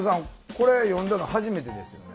これ読んだの初めてですよね？